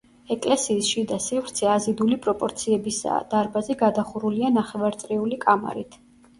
ეკლესიის შიდა სივრცე აზიდული პროპორციებისაა, დარბაზი გადახურულია ნახევარწრიული კამარით.